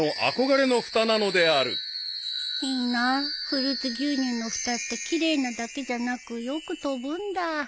フルーツ牛乳のふたって奇麗なだけじゃなくよく飛ぶんだ